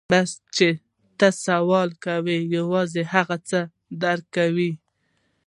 بس چې ته يې سوال کوې يوازې هغه څه در کوي.